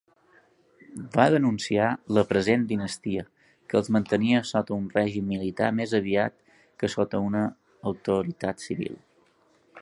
Van denunciar "la present dinastia" que els mantenia sota un règim militar més aviat que sota una autoritat civil.